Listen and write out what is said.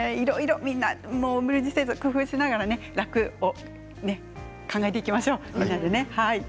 皆さん無理せず工夫しながら楽を考えていきましょう、みんなでね。